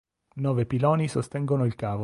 Nove piloni sostengono il cavo.